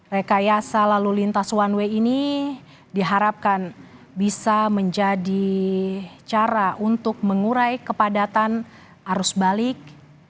rekayasa lalu lintas one way ini diharapkan bisa menjadi cara untuk mengurai kepadatan arus balik